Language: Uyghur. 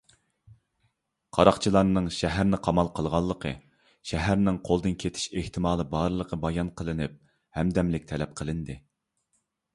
قاراقچىلارنىڭ شەھەرنى قامال قىلغانلىقى، شەھەرنىڭ قولدىن كېتىش ئېھتىمالى بارلىقى بايان قىلىنىپ، ھەمدەملىك تەلەپ قىلىندى.